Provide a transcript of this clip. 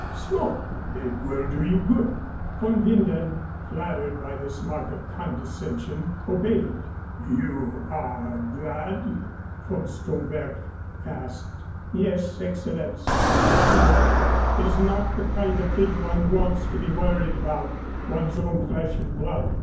Smoke. It will do you good." Von Winden, flattered by this mark of condescension, obeyed. "You are glad?" von Stromberg asked. "Yes, Excellenz. I am glad. It is not the kind of thing one wants to be worried about one's own flesh and blood.